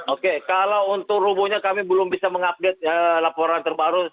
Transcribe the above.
oke kalau untuk rubuhnya kami belum bisa mengupdate laporan terbaru